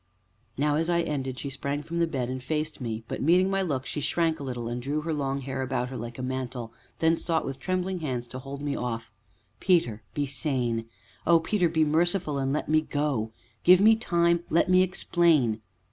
Now, as I ended, she sprang from the bed and faced me, but, meeting my look, she shrank a little, and drew her long hair about her like a mantle, then sought with trembling hands to hold me off. "Peter be sane. Oh, Peter! be merciful and let me go give me time let me explain."